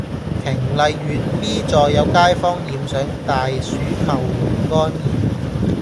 瓊麗苑 B 座有街坊染上大鼠戊型肝炎